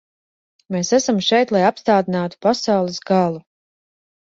Mēs esam šeit, lai apstādinātu pasaules galu.